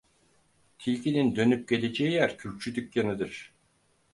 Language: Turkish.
Tilkinin dönüp geleceği yer, kürkçü dükkanıdır.